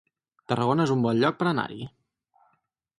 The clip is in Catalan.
Tarragona es un bon lloc per anar-hi